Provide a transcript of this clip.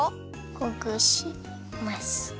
ほぐします！